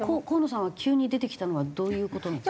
河野さんは急に出てきたのはどういう事？